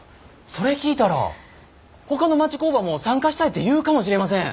それ聞いたらほかの町工場も参加したいて言うかもしれません。